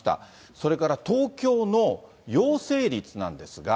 それから東京の陽性率なんですが。